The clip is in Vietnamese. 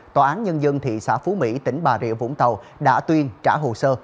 tòa án nhân dân thị xã phú mỹ tỉnh bà rịa vũng tàu đã tuyên trả hồ sơ